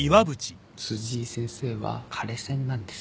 辻井先生は枯れ専なんですよ。